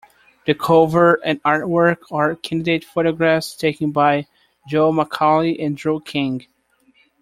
The cover and artwork are candid photographs taken by Jo McCaughey and Drew King.